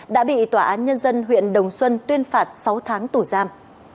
đã bị tòa án nhân dân huyện đồng xuân tuyên phạt sáu tháng tù giam